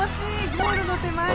ゴールの手前で。